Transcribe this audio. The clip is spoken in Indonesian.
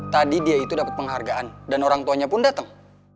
tadi dia itu dapat penghargaan dan orang tuanya pun datang